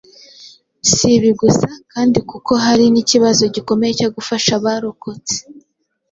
Si ibi gusa kandi kuko hari n’ikibazo gikomeye cyo gufasha abarokotse